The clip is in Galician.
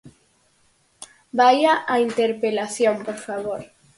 Vaia á interpelación, por favor.